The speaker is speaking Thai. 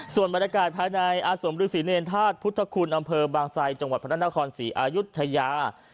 ส่วนบรรยากาศภายในอาสมฤษีเนรธาตุพุทธคุณอำเภอบางไซจังหวัดพระนครศรีอายุทยา